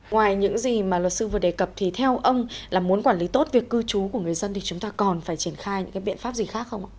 ngoài những gì mà luật sư vừa đề cập thì theo ông là muốn quản lý tốt việc cư trú của người dân thì chúng ta còn phải triển khai những cái biện pháp gì khác không ạ